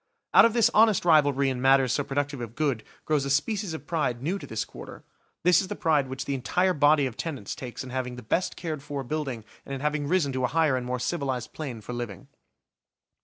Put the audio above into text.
Out of this honest rivalry in matters so productive of good, grows a species of pride new to this quarter; this is the pride which the entire body of tenants takes in having the best cared for building and in having risen to a higher and more civilised plane for living.